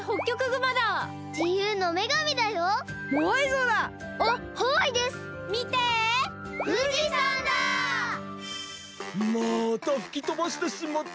またふきとばしてしまった。